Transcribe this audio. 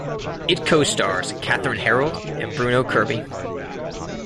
It co-stars Kathryn Harrold and Bruno Kirby.